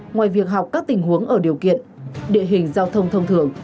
ngoài việc học các tình huống ở điều kiện địa hình giao thông thông thường